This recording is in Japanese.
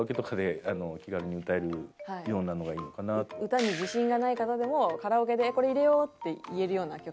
歌に自信がない方でもカラオケで「これ入れよう」って言えるような曲。